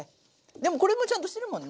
でもこれもちゃんとしてるもんね。